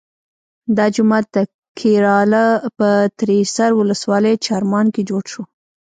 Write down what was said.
دا جومات د کیراله په تریسر ولسوالۍ چرامان کې جوړ شو.